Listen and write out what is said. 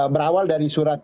berawal dari surat